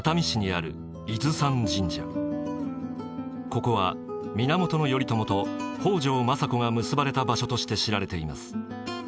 ここは源頼朝と北条政子が結ばれた場所として知られています。